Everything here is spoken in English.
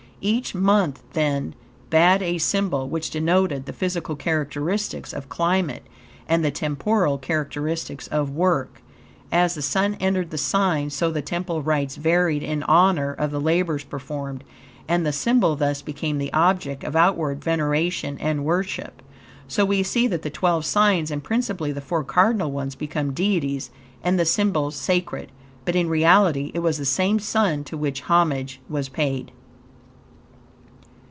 Each month, then, bad a symbol which denoted the physical characteristics of climate and the temporal characteristics of work. As the Sun entered the sign, so the temple rites varied in honor of the labors performed, and the symbol thus became the object of outward veneration and worship. So we see that the twelve signs, and principally the four cardinal ones, became Deities, and the symbols sacred, but in reality, it was the same Sun to which homage was paid.